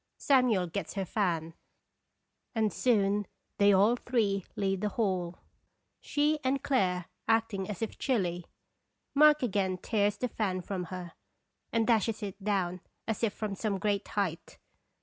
Samuel gets her fan, and soon they all three leave the hall, she and "Clare" acting as if chilly. Mark again tears the fan from her, and dashes it down as if from some great height.